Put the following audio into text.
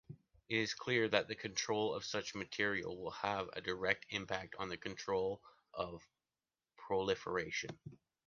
It is clear that the control of such material will have a direct impact on the control of proliferation.